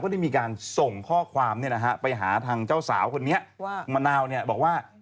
ได้มีการส่งข้อความไปหาทางเจ้าสาวคนนี้ว่ามะนาวเนี่ยบอกว่า